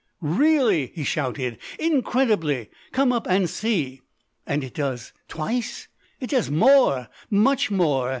"Really!" he shouted. "Incredibly! Come up and see." "And it does twice? "It does more, much more.